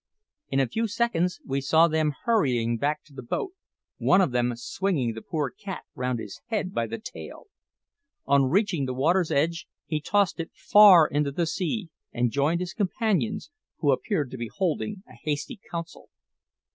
In a few seconds we saw them hurrying back to the boat, one of them swinging the poor cat round his head by the tail. On reaching the water's edge he tossed it far into the sea, and joined his companions, who appeared to be holding a hasty council.